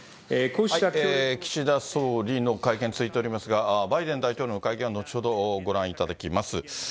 岸田総理の会見、続いておりますが、バイデン大統領の会見は後ほどご覧いただきます。